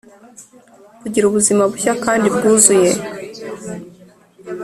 kugira ubuzima bushya kandi bwuzuye